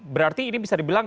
berarti ini bisa dibilang